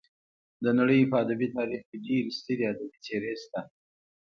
د نړۍ په ادبي تاریخ کې ډېرې سترې ادبي څېرې شته.